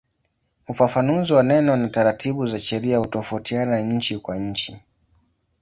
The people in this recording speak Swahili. Ufafanuzi wa neno na taratibu za sheria hutofautiana nchi kwa nchi.